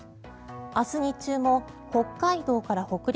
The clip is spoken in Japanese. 明日日中も北海道から北陸